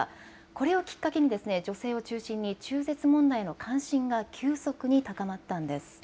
これをきっかけに女性を中心に中絶問題への関心が急速に高まったんです。